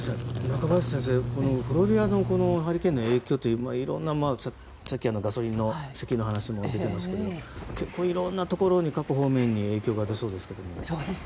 中林先生、フロリダのハリケーンの影響ってさっきの石油の話も出てますけど結構いろんなところから各方面に影響が出そうですが。